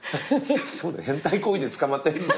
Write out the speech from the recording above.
変態行為で捕まったやつ。